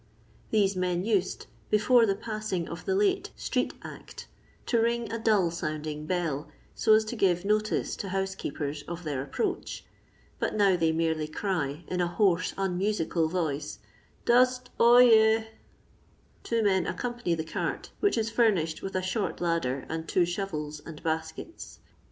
These men used, before the passing of the Ute Street Act, to ring a dull sounding bell so as to give notice to housekeepers of their approach, but now they merely cry, in a hoarse unmusical voice, " Dust oy eh 1" Two men accompany the cart, which is furnished with a short ladder and two shovels and baskets.